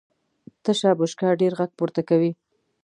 تشه بشکه ډېر غږ پورته کوي .